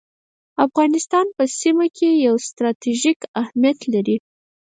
افغانستان په سیمه کي یو ستراتیژیک اهمیت لري